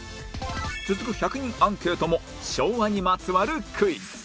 続く１００人アンケートも昭和にまつわるクイズ